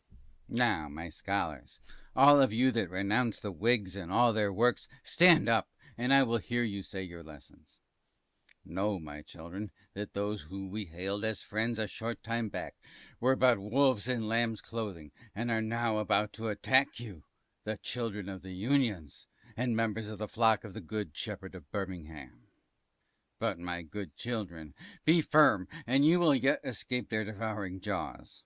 TUTOR. Now my Scholars, all of you that renounce the Whigs and all their works, stand up, and I will hear you say your lessons. Know my children, that those who we hailed as friends a short time back, were but wolves in lamb's clothing, and are now about to attack you, the children of the Unions and members of the flock of the good Shepherd of Birmingham; but my good children, be firm, and you will yet escape their devouring jaws.